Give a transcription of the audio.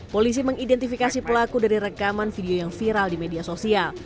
polisi mengidentifikasi pelaku dari rekaman video yang viral di media sosial